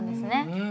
うん。